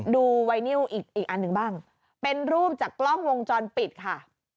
ดูไวนิวอีกอันหนึ่งบ้างเป็นรูปจากกล้องวงจรปิดค่ะ